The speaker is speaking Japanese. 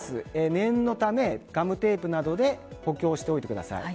念のため、ガムテープなどで補強しておいてください。